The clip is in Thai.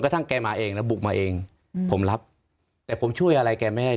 ทั้งแกมาเองแล้วบุกมาเองอืมผมรับแต่ผมช่วยอะไรแกไม่ให้